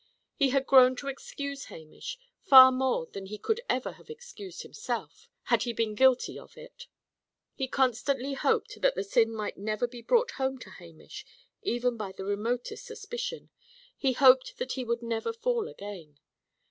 He had grown to excuse Hamish, far more than he could ever have excused himself, had he been guilty of it. He constantly hoped that the sin might never be brought home to Hamish, even by the remotest suspicion. He hoped that he would never fall again.